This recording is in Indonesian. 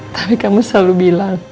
tapi kamu selalu bilang